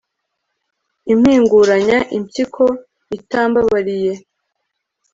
impinguranya impyiko itambabariye